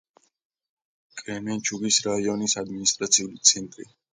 კრემენჩუგის რაიონის ადმინისტრაციული ცენტრი.